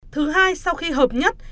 thứ hai sau khi hợp nhất